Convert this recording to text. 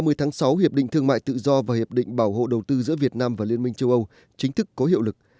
ngày hai mươi tháng sáu hiệp định thương mại tự do và hiệp định bảo hộ đầu tư giữa việt nam và liên minh châu âu chính thức có hiệu lực